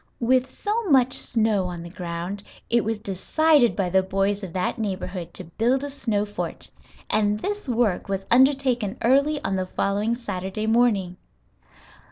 With so much snow on the ground it was decided by the boys of that neighborhood to build a snow fort, and this work was undertaken early on the following Saturday morning.